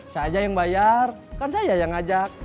saya aja yang bayar kan saya yang ngajak